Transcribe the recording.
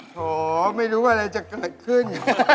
โหไม่รู้อะไรจะเกิดขึ้น